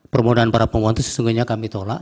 permodaan para pemohon itu sesungguhnya kami tolak